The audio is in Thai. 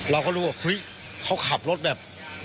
เราก็รู้ว่าเฮ้ยเขาขับรถแบบ